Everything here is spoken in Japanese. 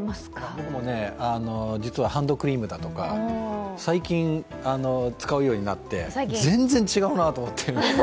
僕も実はハンドクリームだとか最近使うようになって全然違うなと思っているんです。